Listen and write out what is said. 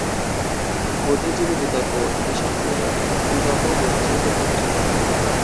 বুদ্ধিজীবী বিতর্ক: "হেশাং" নিয়ে বিতর্কও বুদ্ধিজীবীদের মধ্যে চলতে থাকে।